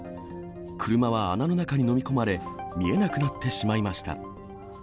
車は穴の中に飲み込まれ、見えなくなってしまいました。